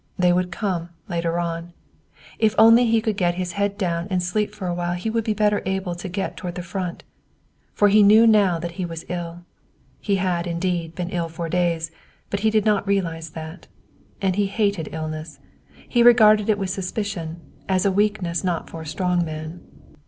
They would come, later on. If he could only get his head down and sleep for a while he would be better able to get toward the Front. For he knew now that he was ill. He had, indeed, been ill for days, but he did not realize that. And he hated illness. He regarded it with suspicion, as a weakness not for a strong man.